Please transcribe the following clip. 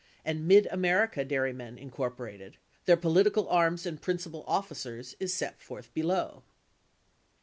and Mid America Dairymen, Inc., their political arms and principal officers is set forth below.